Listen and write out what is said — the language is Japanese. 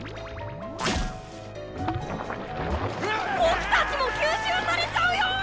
ボクたちも吸収されちゃうよ。